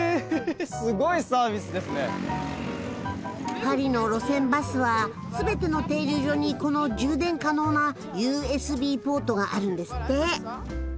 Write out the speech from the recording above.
パリの路線バスは全ての停留所にこの充電可能なＵＳＢポートがあるんですって。